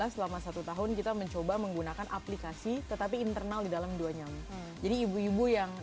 selama satu tahun kita mencoba menggunakan aplikasi tetapi internal di dalam dua nyamu jadi ibu ibu yang